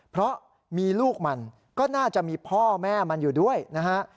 เพราะมีลูกมันก็น่าจะมีพ่อแม่มันอยู่ด้วยนะฮะ